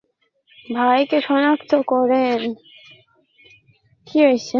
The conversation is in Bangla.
ছিনতাই হওয়া গাড়িটির মালিক গণমাধ্যমে প্রকাশিত ছবি দেখে দুই ভাইকে শনাক্ত করেন।